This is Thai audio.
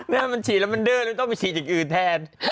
แม่มันฉีดแล้วมันเด้อแล้วต้องไปฉีดอย่างอื่นแทน